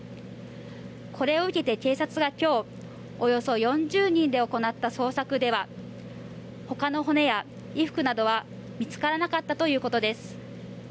これを受けて警察が今日およそ４０人で行った捜索では他の骨や衣服などは見つからなかったということです。